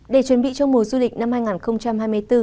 để chuẩn bị cho mùa du lịch năm hai nghìn hai mươi bốn